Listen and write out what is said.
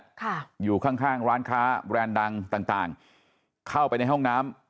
ค่ะอยู่ข้างข้างร้านค้าแบรนด์ดังต่างต่างเข้าไปในห้องน้ำ